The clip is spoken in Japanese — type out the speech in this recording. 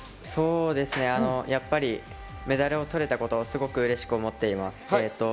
やっぱりメダルを取れたこと、すごくうれしく思っています。